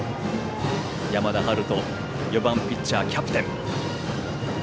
山田陽翔４番ピッチャー、キャプテン。